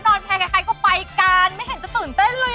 อนแพรใครก็ไปกันไม่เห็นจะตื่นเต้นเลย